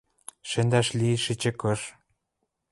Шӹндӓш лиэш эче кыш...